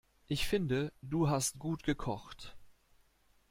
Ich finde, du hast gut gekocht.